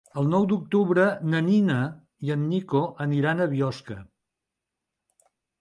El nou d'octubre na Nina i en Nico aniran a Biosca.